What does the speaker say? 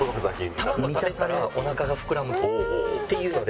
玉子食べてたらおなかが膨らむと。っていうので。